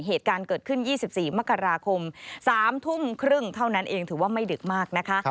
เหตุการณ์เกิดขึ้น๒๔มกราคม๓ทุ่มครึ่งเท่านั้นเองถือว่าไม่ดึกมากนะคะ